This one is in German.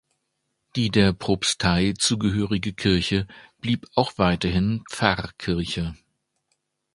Die der Propstei zugehörige Kirche blieb auch weiterhin Pfarrkirche.